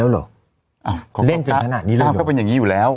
แล้วหรออ่าเล่นจริงขนาดนี้เลยเขาก็เป็นอย่างงี้อยู่แล้ว